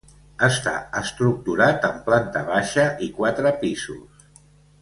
Està estructurat en planta baixa i quatre pisos.